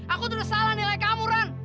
aku terus salah nilai kamu run